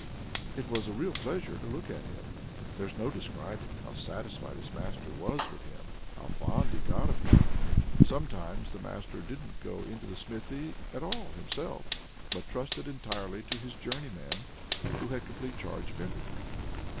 It was a real pleasure to look at him! There's no describing how satisfied his master was with him, how fond he got of him. Sometimes the master didn't go into the smithy at all himself, but trusted entirely to his journeyman, who had complete charge of everything.